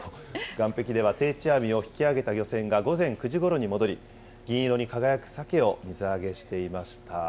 岸壁では定置網を引き上げた漁船が午前９時ごろに戻り、銀色に輝くサケを水揚げしていました。